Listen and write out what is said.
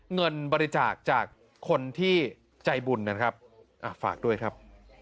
เงินบริจาคจากคนที่ใจบุญนะครับฝากด้วยครับ